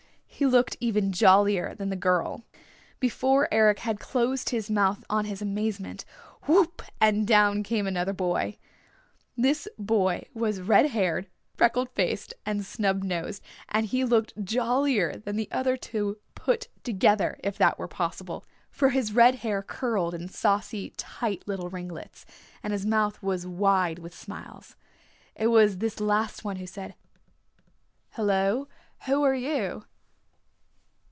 He looked even jollier than the girl. Before Eric had closed his mouth on his amazement, "Whoop!" and down came another boy. This boy was red haired, freckle faced and snub nosed, and he looked jollier than the other two put together, if that were possible, for his red hair curled in saucy, tight little ringlets, and his mouth was wide with smiles. It was this last one who said, "Hello, who are you?"